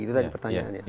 itu tadi pertanyaannya